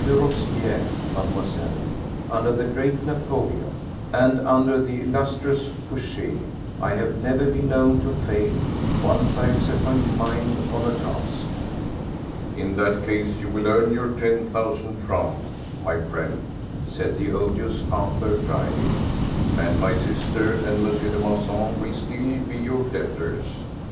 de Robespierre, Mademoiselle, under the great Napoléon, and under the illustrious Fouché! I have never been known to fail, once I have set my mind upon a task." "In that case you will earn your ten thousand francs, my friend," said the odious Arthur drily, "and my sister and M. de Marsan will still be your debtors.